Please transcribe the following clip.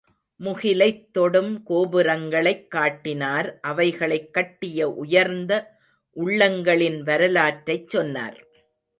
முகிலைத் தொடும் கோபுரங்களைக் காட்டினார் அவைகளைக் கட்டிய உயர்ந்த உள்ளங்களின் வரலாற்றைச் சொன்னார்.